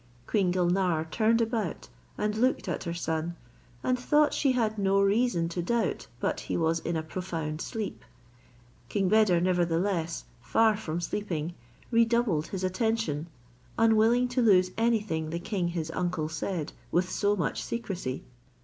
Queen Gulnare turned about and looked at her son, and thought she had no reason to doubt but he was in a profound sleep. King Beder, nevertheless, far from sleeping, redoubled his attention, unwilling to lose any thing the king his uncle said with so much secrecy.